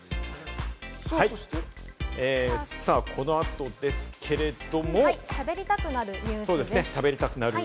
この後ですけれども、「しゃべりたくなるニュス」ですね。